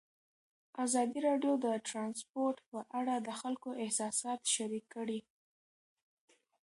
ازادي راډیو د ترانسپورټ په اړه د خلکو احساسات شریک کړي.